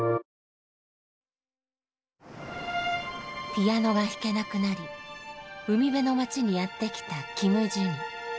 ピアノが弾けなくなり海辺の町にやって来たキム・ジュニ。